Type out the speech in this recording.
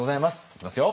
いきますよ。